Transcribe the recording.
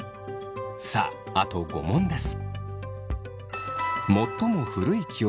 さああと５問です。